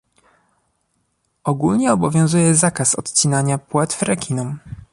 Ogólnie obowiązuje zakaz odcinania płetw rekinom